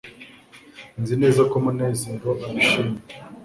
nzi neza ko munezero abishima